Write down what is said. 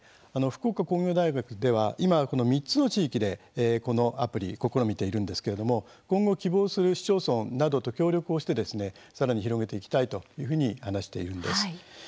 福岡工業大学では今３つの地域で、このアプリ試みているんですけれども今後、希望する市町村などと協力をしてですねさらに広げていきたいというふうに話しているんです。